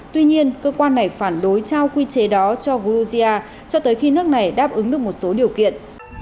tuy nhiên cơ quan này phản đối trao quy chế đó cho georgia cho tới khi nước này đáp ứng được một số điều kiện